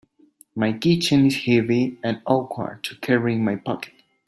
My keychain is heavy and awkward to carry in my pocket.